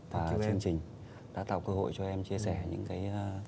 và chương trình đã tạo cơ hội cho em chia sẻ những cái